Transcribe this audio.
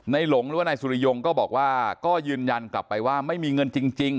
หลงหรือว่านายสุริยงก็บอกว่าก็ยืนยันกลับไปว่าไม่มีเงินจริง